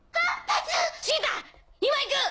今行く！